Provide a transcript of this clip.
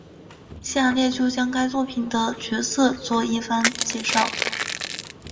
下列就将该作品的角色做一番介绍。